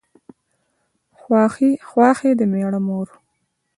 خواښې د مېړه مور